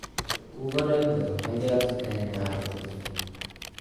Původem byl maďarské národnosti.